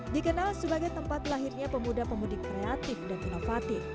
dikenal sebagai tempat lahirnya pemuda pemudik kreatif dan inovatif